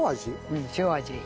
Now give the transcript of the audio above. うん塩味。